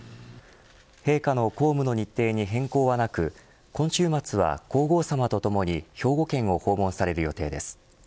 陛下の公務の日程に変更はなく今週末は皇后さまとともに兵庫県を訪問される予定です。